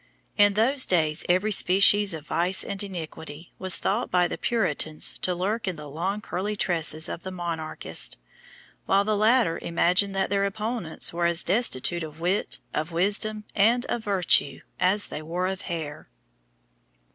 In those days every species of vice and iniquity was thought by the Puritans to lurk in the long curly tresses of the monarchists, while the latter imagined that their opponents were as destitute of wit, of wisdom, and of virtue, as they were of hair.